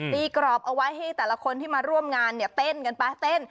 กรอบเอาไว้ให้แต่ละคนที่มาร่วมงานเนี่ยเต้นกันไปเต้น